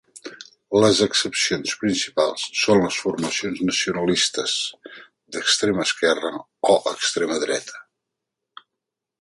Les excepcions principals són les formacions nacionalistes, d'extrema esquerra o d'extrema dreta.